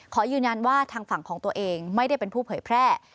ขอยืนยันว่าทางฝั่งของตัวเองไม่ได้เป็นผู้เผยแพร่